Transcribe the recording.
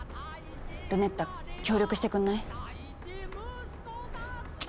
ルネッタ協力してくんない？